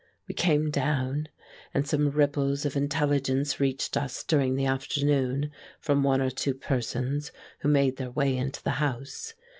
We came down, and some ripples of intelligence reached us during the afternoon from one or two persons who made their way into the house.